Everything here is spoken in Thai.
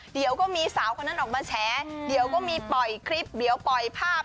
เดี๋ยวก็มีสาวคนนั้นออกมาแฉเดี๋ยวก็มีปล่อยคลิปเดี๋ยวปล่อยภาพ